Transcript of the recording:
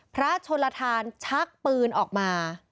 พระชนลทานชักปืนออกมา